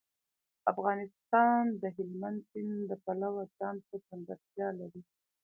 افغانستان د هلمند سیند د پلوه ځانته ځانګړتیا لري.